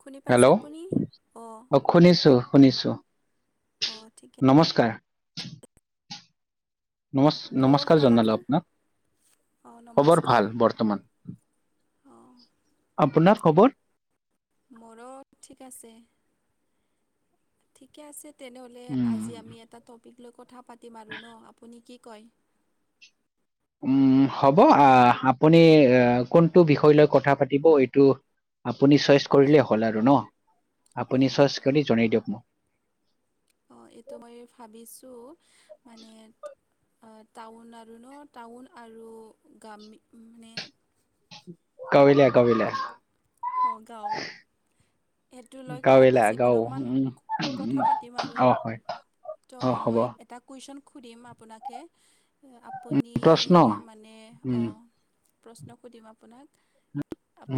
শুনি হেল্ল' পাইছে আপুনি অঁ। অ শুনিছো শুনিছোঁ। অ ঠিকে নমস্কাৰ, নম খবৰ নমস্কাৰ ভাল জনালো আপোনাৰ? আপোনাক, অ', খবৰ নমস্কাৰ। ভাল বৰ্তমান। অ', আপোনাৰ খবৰ! মোৰো ঠিক আছে ঠিকে আছে। তেনেহ'লে উম আজি আমি এটা টপিক লৈ কথা পাতিম আৰু ন, আপুনি কি কয়? উম হ'ব আহ আপুনি এ কোনটো বিষয় লৈ কথা পাতিব এইটো আপুনি চইচ কৰিলেই হ'ল আৰু ন আপুনি অ', চইচ কৰি জনাই দিয়ক মোক। অঁ এইটো মই ভাবিছোঁ মানে টাউন আৰু ন টাউন আৰু গামি মানে [unintelligible] অ গাওঁ। সেইটো লৈ গাঁৱলীয়া আজি গাঁও অলপমান উম কথা পাতিম আৰু। অ হয় তো অ হ'ব মই এটাক কুৱেশ্যন সুধিম আপোনাকে আপুনি প্ৰশ্ন মানে উম অঁ প্ৰশ্ন সুধিম আপোনাক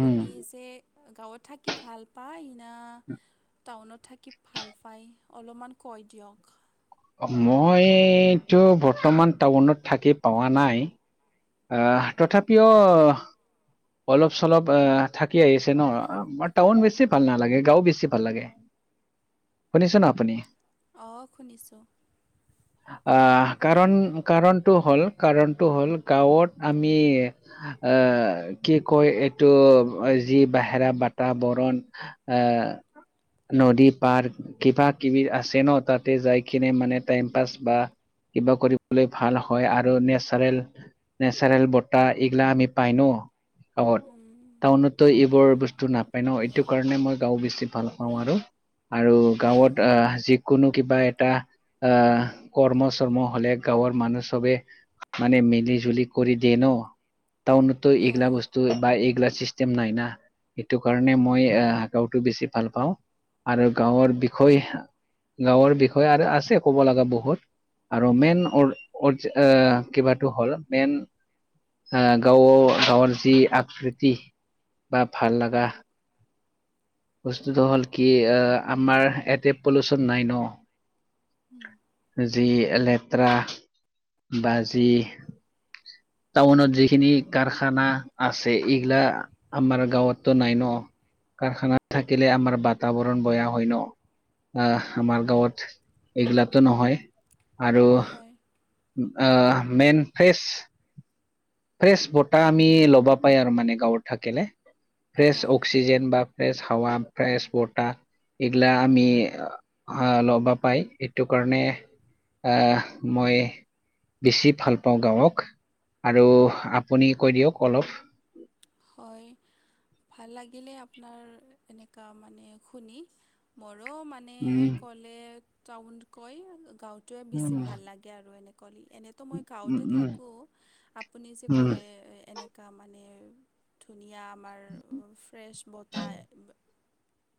উম যে গাঁৱত থাকি ভাল পায় না টাউনত থাকি ভাল পায় অলপমান কৈ দিয়ক। মইতো বৰ্তমান টাউনত থাকি পোৱা নাই। আহ তথাপিও অলপ চলপ এ থাকি আহিছে ন, টাউন বেছি ভাল নালাগে গাঁও বেছি ভাল লাগে। [inaudible] শুনিছোন আপুনি। অঁ শুনিছোঁ। আহ হয় কাৰণ কাৰণটো হ'ল কাৰণটো হ'ল গাঁৱত আমি আ-আ কি কয় এইটো যি বাহেৰা বাতাবৰণ আ-আ, ' নদী, পাৰক কিবা কিবি আছে ন তাতে যাই কিনে মানে টাইম পাচ বা কিবা কৰিবলৈ ভাল হয় আৰু নেচাৰেল নেচাৰেল বতাহ এইগিলা আমি পাই ন গাঁৱত। উম, টাউনতো এইবোৰ বস্তু না পায় ন এইটো কাৰণে মই গাওঁ বেছি ভাল পাওঁ। আৰু আৰু হয় গাঁৱত আ যি কোনো কিবা এটা আ-আহ কৰ্ম চৰ্ম হ'লে গাঁৱৰ মানুহ চবে মানে মিলি জুলি কৰি দিয়ে ন। টাউনত এইগিলা হয় বস্তু বা এইগিলা চিষ্ট টেম নাই না সেইটো কাৰণে মই গাওঁটো বেছি ভাল পাওঁ। আৰু গাঁৱৰ বিষয় গাঁৱৰ বিষয়। হয় আৰু আছে ক'ব লগা বহুত আৰু মেইন উম, কিবা টো হ'ল। মেইন গাঁ গাঁৱৰ যি আকৃতি বা ভাল লগা। বস্তুটো হ'ল কি আমাৰ ইয়াতে পলুচন নাই ন [inaudible] যি লেতেৰা বা যি টাউনত যিখিনি কাৰখানা আছে এইগিলা আমাৰ গাঁৱতো নাই ন কাৰখানা থাকিলে আমাৰ বাতাবৰণ বেয়া হয় ন আহ আমাৰ গাঁৱত এইবিলাকতো নহয় আৰু হয় অ মেইন ফ্ৰেছ ফ্ৰেছ বতাহ আমি ল'বা পাই আৰু মানে গাঁৱত থাকিলে ফ্ৰেচ হয় অক্সিজেন বা ফ্ৰেছ হাৱা ফ্ৰেছ বতাহ এইগিলা আমি আহ ল'বা পাই সেইটো কাৰণে আহ মই বেছি ভাল পাওঁ গাঁৱক আৰু আপুনি কৈ দিয়ক অলপ হয়। ভাল লাগিলে আপোনাৰ এনেকুৱা মানে শুনি মোৰো মানে এনে উম ক'লে টাউন কয় গাওঁতোৱে উম বেছি ভাল লাগে আৰু এনে কলে এনে তো মই গাঁৱতে উম থাকোঁ আপুনি যে উম ক'লে এনেকুৱা মানে ধুনীয়া আমাৰ ফ্ৰেছ বতাহ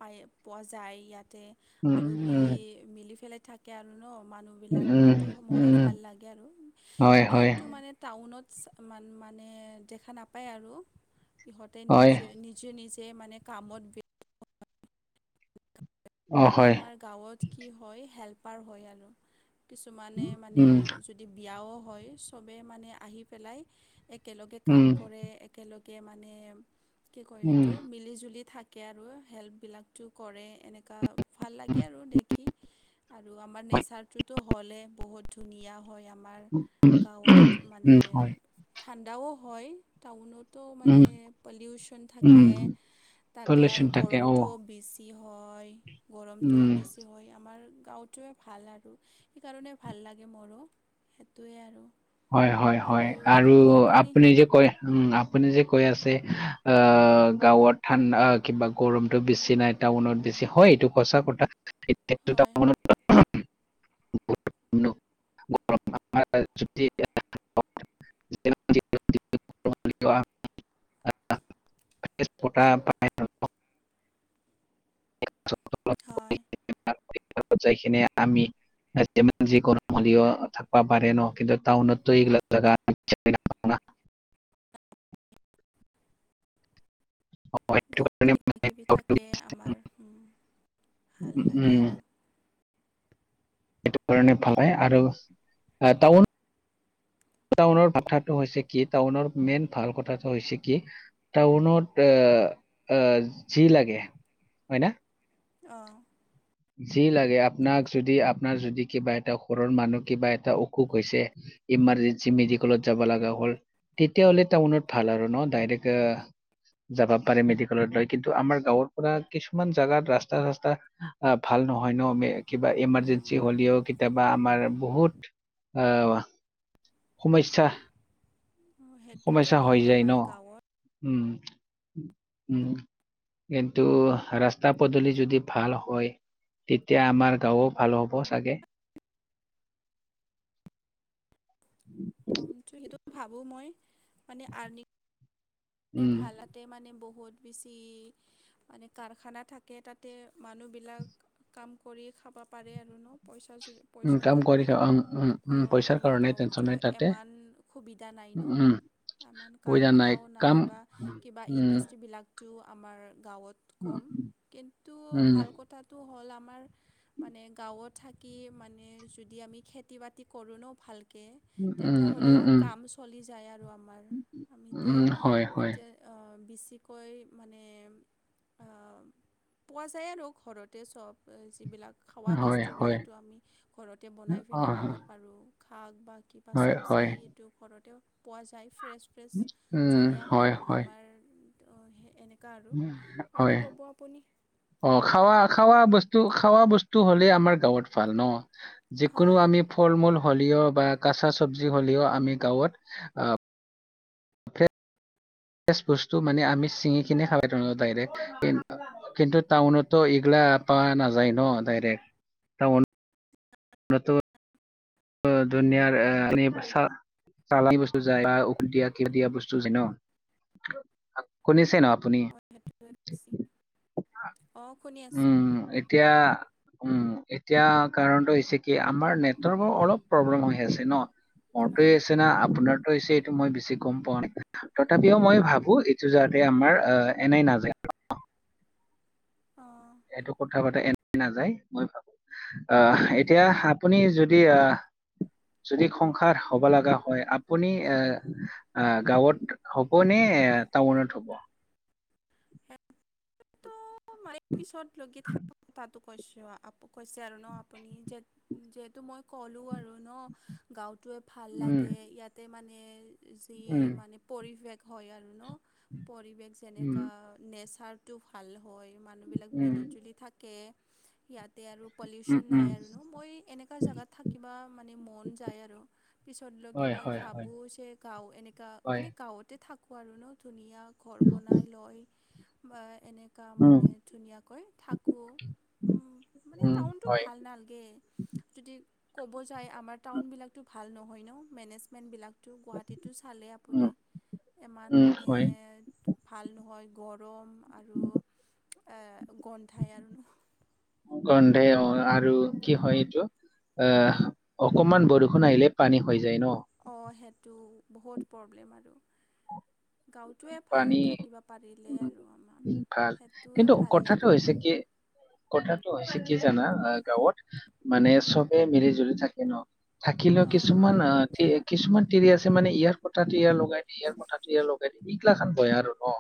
পায় পোৱা যায় ইয়াতে উম আৰু উম মিলি মিলি পেলাই থাকে আৰু ন মানুহ উম বিলাক উম এইটো মোৰো উম ভাল লাগে আৰু হয় হয় এইবিলাক টো টাউনত মান মানে দেখা নাপায় আৰু ইহঁতে হয় নিজে নিজে নিজে মানে কামত অ কিন্তু হয় আমাৰ গাঁৱত কি হয় হেল্পাৰ হয় আৰু কিছুমানে মানে উম বিয়াও হয় চবেই মানে আহি পেলাই একেলগে উম কাম কৰে। একেলগে মানে কি কয় উম এইটো মিলি জুলি থাক থাকে আৰু হেল্পবিলাকতো কৰে ভাল লাগে আৰু দেখি আৰু আমাৰ হয় নেচাৰটোতো হ'লেই বহুত ধুনীয়া হয় আমাৰ গাঁৱত মানে হয় ঠাণ্ডাও হয়। টাউনতো মানে উম পলিউচন উম থাকে। তাতে আৰু পলিউচন থাকে অ গৰমটোও বেছি হয় উম গৰমটোও বেছি হয় আমাৰ গাঁওঁটোৱে ভাল আৰু সেইকাৰণে ভাল লাগে মোৰো সেইটোৱে আৰু হয় হয় হয় আৰু আপুনি যে কয় উম আপুনি যে কৈ আছে আহ গাঁৱত ঠাণ্ডা কিবা গৰমতটো বেছি নাই টাউনত বেছি হয় এইটো সঁচা কথা এটাত হয় [unintelligible] [inaudible] [inaudible] হয়। তাত একেলগত যাইকিনে আমি- যিকোনো মলিও থাকিবা পাৰে ন, কিন্তু টাউনততো এইগিলাক জেগা- বহুত কাৰণে কিবা কিবি থাকে আমাৰ, উম' ভাল লাগে উম আৰু। সেইটো কাৰণে ভাল হয়, আৰু এ টাউন- টাউনৰ কথাটো হৈছে কি টাউনৰ মেইন ভাল কথাটো হৈছে কি? টাউনত এ এ যি লাগে হয় না? অঁ' যি লাগে আপোনাক যদি আপোনাৰ যদি কিবা এটা ঘৰৰ মানুহ কিবা এটা অসুখ হৈছে- ইমাৰ্জেঞ্চি মেডিকেলত যাব লগা হ'ল, - তেতিয়াহ'লে টাউনত ভাল আৰু ন ডাইৰেকে- যাব পাৰে মেডিকেলত লৈ, কিন্তু আমাৰ গাঁৱৰ পৰা কিছুমান জাগাত ৰাস্তা চাস্তা- অ' ভাল নহয় ন কিবা এমাৰ্জেঞ্চি হ'লেও কেত- কেতিয়াবা আমাৰ বহুত আহ সমস্যা- মোৰ সেইটোতো সমস্যা হৈ হয় যায় ন আমাৰ গাঁৱত। উম' উম' কিন্তু, ৰাস্তা পদূলি যদি ভাল হয়- তেতিয়া আমাৰ গাওঁ ভাল হ'ব চাগে। [inaudible] ত সেইটো ভাবো মই, মানে আৰ্ণী- তে উম ভালতে মানে বহুত বেছি- মানে কাৰখানা থাকে তাতে মানুহবিলাক- কাম কৰিয়ে খাব পাৰে আৰু ন, পইচা- উম, পইচাৰ কাম কৰি কাৰণে, খা উম, উম, উম, অঁ' পইচাৰ আমাৰ কাৰণে টেনচন গাঁৱতো নাই তাতে এমান সুবিধা নাই ন। উম, উম, আমান বুজা কাৰখানাও কাম নাই বা কিবা উম, ইণ্ডাষ্ট্ৰিবিলাকটো আমাৰ গাঁৱত- উম, কম, কিন্তু উম, ভাল কথাটো হ'ল আমাৰ- মানে গাঁৱত থাকি মানে যদি আমি খেতি বাতি কৰোঁ ন ভাল- কে, উম, উম, তেতিয়াহ'লেও উম, কাম চলি যায় আৰু আমাৰ উম, আমিতো- হয়, হয়, এ অঁ' বেছিকৈ মানে- আ‍ঁ পোৱা যায় আৰু ঘৰতে চব যিবিলাক- খোৱা হয়, হয়, বস্তুবিলাকতো আমি ঘৰতে বনাই পেলাই অ', খাব পাৰোঁ, শাক বা কিব- বা হয়, চব্জি হয়, এইটো ঘৰতে পোৱা যায় ফ্ৰেছ ফ্ৰেছ উম, ধুনীয়া- হয়, হয়, এ এনেকুৱা আৰু, আৰু ক'ব আপুনি- অঁ' খাৱা খাৱা বস্তু খাৱা বস্তু হ'লেই আমাৰ গাঁৱত ভাল ন। যিকোনো হয় আমি ফল মূল হলেও বা কাচা চব্জি হ'লেও আমি গাঁৱত- ফ্ৰেছ বস্তু মানে আমি চিঙি কিনি খাবাইটো নোৱাৰো ডাইৰেক্ট, কিন- কিন্তু, টাউনততো এইগিলা পোৱা নাযায় ন ডাইৰেক, টাউন- নে তোৰ- অ ধুনিয়াৰ এ নিব চা- চালানী বস্তু যায় বা ঔষধ দিয়া কি দিয়া বস্তু যায় ন, শুনিছে ন? আপুনি অঁ' সুনি আছোঁ। উম এতিয়া, উম এতিয়া কাৰণটো হৈছে কি আমাৰ নেটৰ- অলপ প্ৰব্লেম হৈ আছে ন, মোৰ তে হৈছে অঁ না, আপোনাৰটোৱে হৈছে- টো মই বেছি গম পোৱা নাই, তথাপিও মই ভাবো এইটো যাতে আমাৰ অ এনেই নাযায়। অঁ' এইটো কথা পাতা এনেই নাযায়, মই ভাবো। আহ এতিয়া আপুনি যদি আহ। যদি সংসাৰ হ'ব লগা হয় আপুনি এ। অ গাঁৱত হ'ব নে টাউনত হ'ব। মাৰি পিছত লগি থাক তাত। কৈছ কৈছে আৰু ন আপুনি যিহেতু মই ক'লোঁ আৰু ন। গাঁওটোৱে ভাল উম, লাগে ইয়াতে মানে যি উম, মানে। পৰিৱেশ হয় আৰু ন পৰিৱেশ উম, যেনেকুৱা নেচাৰটো ভাল। হয় মানুহ বিলাক উম, মিলি জুলি থাকে। ইয়াতে আৰু উম, পলিউচন উম, নাই আৰু ন মই এনেকুৱা জেগাত থাকিবা মানে মন যায় আৰু। পিছতলৈকে হয়, মই হয়, হয়, ভাবোঁ যে গাঁও এনেকা হয়, মানে গাঁৱতে থাকো। ক আৰু ন ধুনীয়া ঘৰ বনাই লয় বা এনে। কা উম, মানে ধুনীয়াকৈ থাকোঁ মানে উম, টাউনটো হয়, ভাল নালাগে। যদি ক'ব যায় আমাৰ টাউনবিলাকতো ভাল নহয় ন মেনেজমেণ্টবিলাক। টো গুৱাহাটীতটো চালে আপুনি উম, ইমান উম, মানে। হয়, ভাল নহয় গৰম আৰু। এ গন্ধাই আৰু ন। গন্ধাই অ আৰু কি হয় এইটো। অ অকমান বৰষুণ আহিলে পানী হৈ যায় ন। অঁ সেইটো বহুত প্ৰব্লেম আৰু। গাঁৱটোৱে ভাল পানী থাকিব পাৰিলেই উম, আৰু আমাৰ উম, ভাল সেইটোৱে কিন্তু ভাল কথাটো লাগো হৈছে মই। কি কথাটো হৈছে কি জানা গাঁৱত মানে চবে মিলি জুলি থাকে ন। থাকিলেও অঁ কিছুমান অ অধিক। কিছুমান তিৰি আছে মানে ইয়াৰ কথাটো ইয়াৰ লগাই দিয়ে ইয়াৰ কথাটো ইয়াৰ লগাই দিয়ে এইগিলা খান বয়া আৰু ন।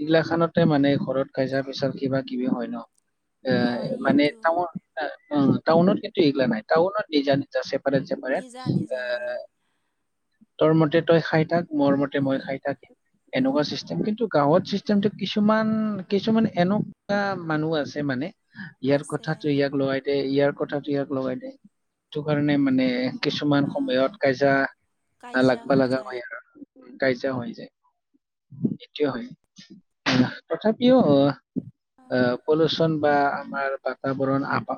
এইগিলা খানতে মানে ঘৰত কাইজা পেচাল কিবা কিবি হয় ন। আহ হয় মানে এইটো টাউ অ টাউনত কিন্তু এইগিলা নাই টাউনত নিজা নিজা। চেপাৰেট চেপাৰেট নিজা নিজা হয় আহ তোৰ মতে তই খাই থাক। মোৰ মতে মই অঁ খাই থাকিম এনেকুৱা অঁ চিষ্টেম কিন্তু। গাঁৱত অঁ চিষ্টেমটো কিছুমান কিছুমান এনেকুৱা মানুহ আছে মানে। ইয়াৰ আছে কথাটো ইয়াক লগাই দেই ইয়াৰ কথাটো ইয়াক লগাই দেই সিটো কাৰণে মানে। কিছুমান আহ সময়ত কাইজা কাজিয়া নালাগবা হৈ লগা যায় হয় আৰু কাইজা হৈ যায়। এইটোয়ে হয় তথাপিও। আ পলুচন বা আমাৰ বাতাবৰণ আপা।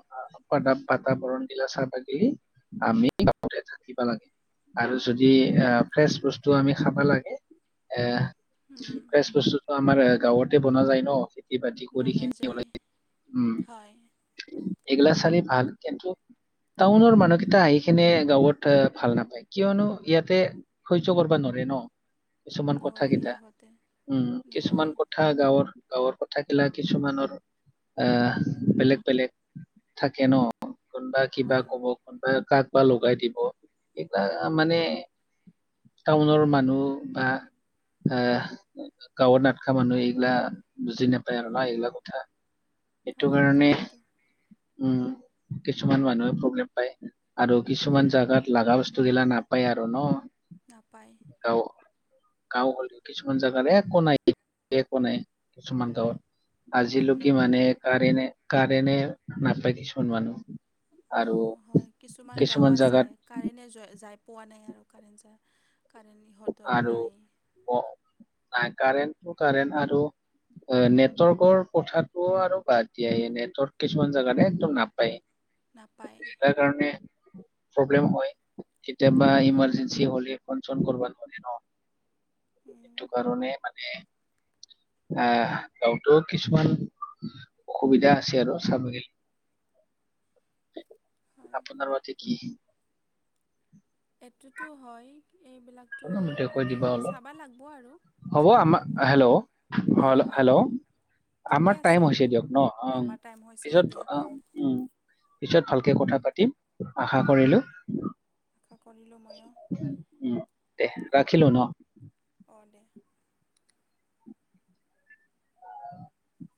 বাতাবৰণ দিলা চাবাগিলি আমি গাঁৱতে। থাকিব লাগে আৰু যদি আ ফ্ৰেচ বস্তু আমি খাবা লাগে। এ উম ফ্ৰেচ বস্তুটো আমাৰ গাঁৱতে বনোৱা যায় ন। খেতি বাতি কৰি বনোৱা খিনিও যায় ল উম হয় এইগিলা চালি ভাল কিন্তু। টাউনৰ মানুহকেইটা আহি কিনে গাঁৱত ভাল নাপায় কিয়নো ইয়াতে। সহ্য কৰিবা নৰে ন কিছুমান কথা নোৱাৰে কেইটা ইহঁতে উম হয় কিছুমান কথা। কথা গাঁৱৰ গাঁৱৰ কথাকিলা কিছুমানৰ আহ বেলেগ বেলেগ। থাকে ন কোনবা কিবা হয় ক'ব। কোনোবা কাক বা লগাই দিব এইবিলাক মানে। টাউনৰ মানুহ বা। আহ গাঁৱত নাটকা মানুহ এইগিলা। বুজি নাপায় আৰু উম না এইবিলাক কথা সেইটো হয় কাৰণে। কথাটো উম কিছুমান মানুহে প্ৰব্লেম পায় আৰু উম কিছুমান জাগাত লাগা‌ বস্তু। বস্তু গিলা নাপাই আৰু ন। নাপায়। গাঁও গাঁও হলেও কিছুমান জাগাত একো নাই একো নাই কিছুমান গাঁৱত। আজিলৈকে উম মানে কাৰেণ্ট কাৰেণ্ট নাপায় কিছুমান মানুহ। আৰু অঁ হয় কিছুমান গাঁও আছে। কাৰেণ্টে যা যাই পোৱা নাই আৰু কাৰেণ্ট যা কাৰেণ্ট ইহঁতৰ নাই। অ নাই কাৰেণ্টটো কাৰেণ্ট আৰু অ নেটৱৰ্কৰ কথাটোও আৰু বাদ দিয়া এ নেটৱৰ্ক কিছুমান জাগাত একদম নাপায়ে নাপায়। সেইকাৰণে প্ৰব্লেম হয় কেতিয়াবা প্ৰব্লেম হয় ইমাৰজেঞ্চি হ'লে ফোন চোন কৰবা। পৰে ন ত উম সেইটো কাৰণে মানে আহ গাঁৱতো কিছুমান অসুবিধা আছে আৰু চাবগেলি [inaudible] হয় আপোনাৰ মতে কি এইটোতো হয় এইবিলাক কৈ দিবা অলপ। হ'ব চাব আমাৰ লাগিব হেল্ল এইবিলাক হয় হেল্ল ঠিকে আমাৰ আছে টাইম হৈছে অঁ দিয়ক ন অ আমাৰ টাইম হৈছে পিছত দিয়া অ উম পিছত ভালকে কথা পাতিম আশা অঁ কৰিলো। আশা কৰিলো মই উম দে ৰাখিলো ন। অ দে [inaudible]